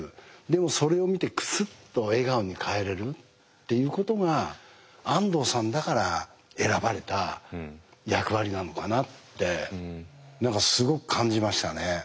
でもそれを見てクスッと笑顔に変えれるっていうことが安藤さんだから選ばれた役割なのかなって何かすごく感じましたね。